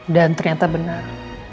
dan ternyata benar